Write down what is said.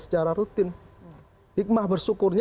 secara rutin hikmah bersyukurnya